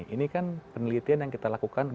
ini kan penelitian yang kita lakukan